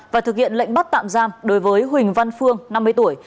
và thực hiện lệnh bắt tạm giam đối với huỳnh văn phương năm mươi tuổi